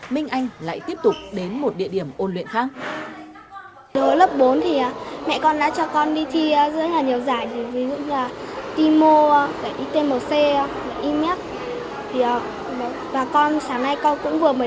minh anh lại tiếp tục đến một địa điểm ôn luyện khác